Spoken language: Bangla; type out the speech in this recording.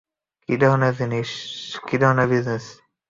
কী ধরনের বিজনেস?